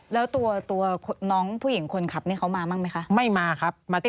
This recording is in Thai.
แล้วตัวน้องผู้หญิงคนขับ